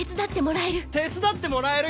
「手伝ってもらえる」。